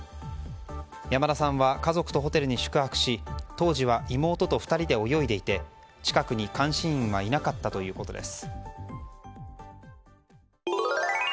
山田さんは家族とホテルに宿泊し当時は妹と２人で泳いでいて近くに監視員はいなかったということです。